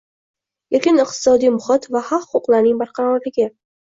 Erkin iqtisodiy muhit va haq-huquqlarning barqarorligi